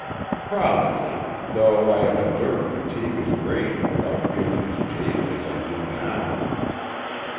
"Probably; though I have endured fatigue as great without feeling as jaded as I do now."